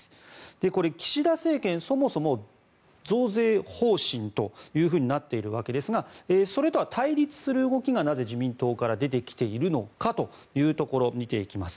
これ、岸田政権そもそも増税方針となっているわけですがそれとは対立する動きがなぜ自民党から出てきているのかというところ見ていきます。